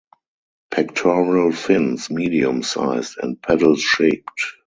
Pectoral fins medium sized and paddle shaped.